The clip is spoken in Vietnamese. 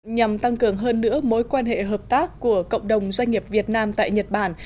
nhằm tăng cường hơn nữa mối quan hệ hợp tác của cộng đồng doanh nghiệp việt nam tại nhật bản